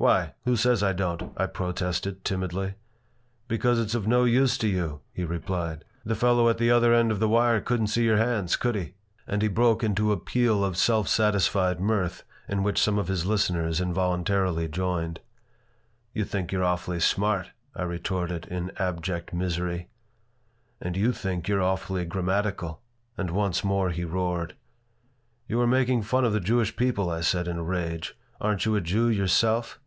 "Why? Who says I don't?" I protested, timidly "Because it's of no use to you," he replied. "The fellow at the other end of the wire couldn't see your hands, could he?" And he broke into a peal of self satisfied mirth in which some of his listeners involuntarily joined. "You think you're awfully smart," I retorted, in abject misery "And you think you're awfully grammatical." And once more he roared "You are making fun of the Jewish people," I said, in a rage. "Aren't you a Jew yourself?"